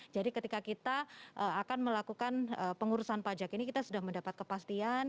jadi ketika kita akan melakukan pengurusan pajak ini kita sudah mendapat kepastian